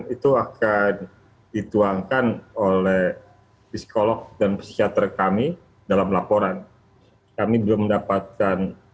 itu akan dituangkan oleh psikolog dan psikiater kami dalam laporan kami belum mendapatkan